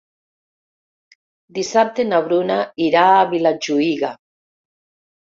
Dissabte na Bruna irà a Vilajuïga.